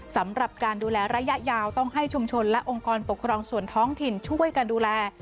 สำหรับการดูแลระยะยาวต้องให้ชุมชนและองค์กรปกครองส่วนท้องถิ่นช่วยกันดูแล